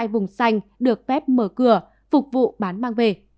hai vùng xanh được phép mở cửa phục vụ bán mang về